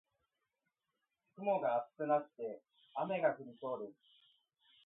雲が厚くなって雨が降りそうです。